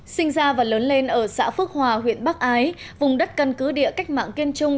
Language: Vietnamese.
sinh ra và lớn lên ở xã phước hòa huyện bắc ái vùng đất căn cứ địa cách mạng kiên trung